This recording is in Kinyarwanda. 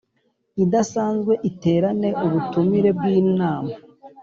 Idasanzwe iterane ubutumire bw inama